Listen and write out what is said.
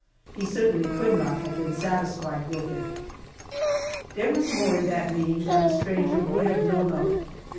He certainly could not have been satisfied with it. There was more in that meeting than a stranger would have known of.